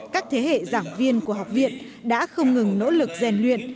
các thế hệ giảng viên của học viện đã không ngừng nỗ lực rèn luyện